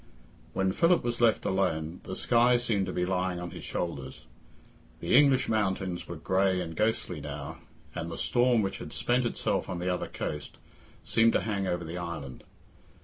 When Philip was left alone, the sky seemed to be lying on his shoulders. The English mountains were grey and ghostly now, and the storm, which had spent itself on the other coast, seemed to hang over the island.